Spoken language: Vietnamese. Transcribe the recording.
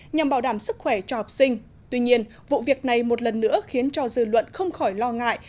nhằm bảo đảm sức khỏe cho học sinh tuy nhiên vụ việc này một lần nữa khiến cho dư luận không khỏi lo ngại